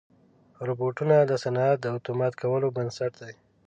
روبوټونه د صنعت د اتومات کولو بنسټ دي.